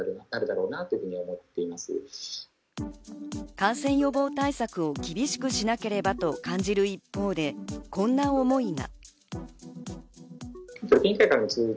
感染予防対策を厳しくしなければと感じる一方で、こんな思いが。